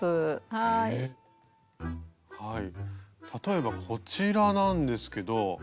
はい例えばこちらなんですけど。